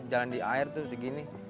jalan di air tuh segini